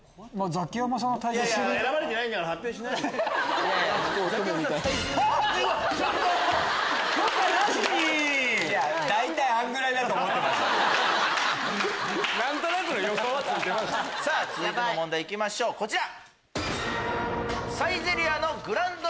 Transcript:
続いての問題行きましょうこちら！